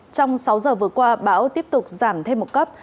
trong sáu giờ vừa qua bão tiếp tục giảm thêm một cấp